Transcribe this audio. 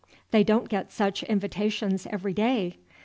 They don't get such invitations every day.